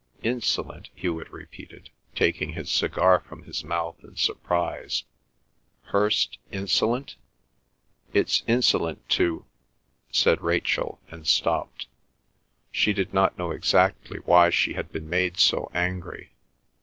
"Insolent?" Hewet repeated, taking his cigar from his mouth in surprise. "Hirst—insolent?" "It's insolent to—" said Rachel, and stopped. She did not know exactly why she had been made so angry.